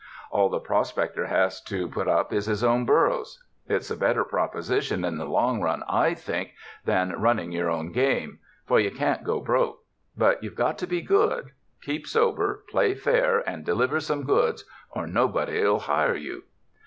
All the pros pector has to put up is his own burros. It's a bet ter proposition in the long run, I think, than run ning your own game; for you can't go broke; but you've got to be good — keep sober, play fair and deliver some goods or nobody '11 hire you.